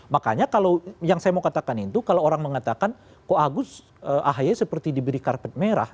makanya kalau yang saya mau katakan itu kalau orang mengatakan kok agus ahy seperti diberi karpet merah